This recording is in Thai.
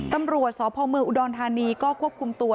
ตำรวจสภอุดรธานีก็ควบคุมตัว